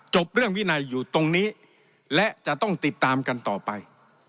จบเรื่องวินัยอยู่ตรงนี้และจะต้องติดตามกันต่อไป